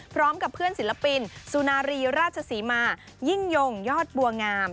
พร้อมกับเพื่อนศิลปินสุนารีราชศรีมายิ่งยงยอดบัวงาม